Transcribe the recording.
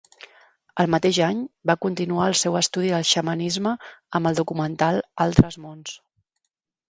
El mateix any, va continuar el seu estudi del xamanisme amb el documental "Altres mons".